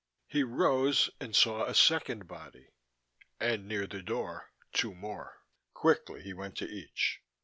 He rose and saw a second body and, near the door, two more. Quickly he went to each....